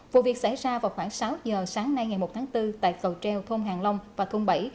vụ việc xảy ra vào khoảng sáu giờ sáng nay ngày một tháng bốn tại cầu treo thôn hàng long và thôn bảy